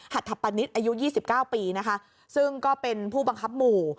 หัตถปณิตอายุ๒๙ปีซึ่งก็เป็นผู้บังคับหมู่